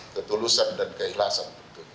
ketulusan dan keikhlasan